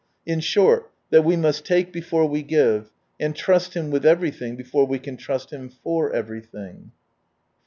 In short, that we must take before we give ; and trust Him with everything before we can trust Him for everything, 4.